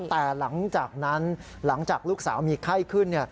แต่หลังจากนั้นหลังจากลูกสาวมีไข้ขึ้น